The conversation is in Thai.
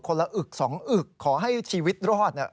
คนละอึกสองอึกขอให้ชีวิตรอด